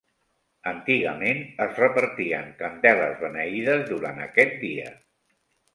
Antigament, es repartien candeles beneïdes durant aquest dia.